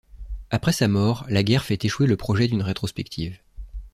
Après sa mort, la guerre fait échouer le projet d'une rétrospective.